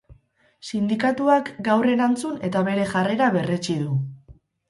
Sindikatuak gaur erantzun eta bere jarrera berretsi du.